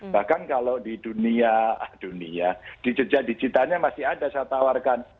bahkan kalau di dunia dunia di cerja digitanya masih ada saya tawarkan